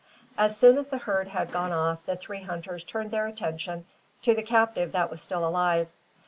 As soon as the herd had gone off, the three hunters turned their attention to the captive that was still alive.